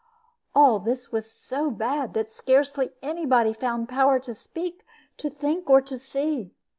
All this was so bad that scarcely any body found power to speak, or think, or see.